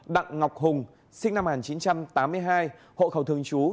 đặng ngọc hùng sinh năm một nghìn chín trăm tám mươi hai hộ khẩu thường trú